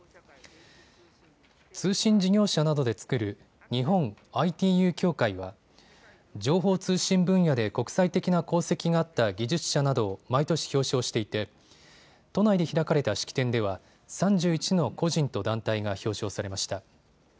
通信事業者などで作る日本ＩＴＵ協会は情報通信分野で国際的な功績があった技術者などを毎年表彰していて都内で開かれた式典では３１の個人と団体が表彰されました。